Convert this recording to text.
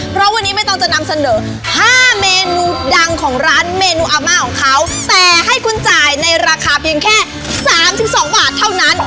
เพราะวันนี้ไม่ต้องจะนำเสนอ๕เมนูดังของร้านเมนูอาม่าของเขาแต่ให้คุณจ่ายในราคาเพียงแค่๓๒บาทเท่านั้น